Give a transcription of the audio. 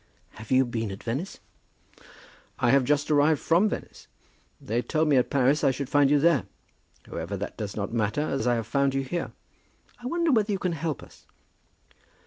"Have you been at Venice?" "I have just arrived from Venice. They told me at Paris I should find you there. However, that does not matter, as I have found you here. I wonder whether you can help us?"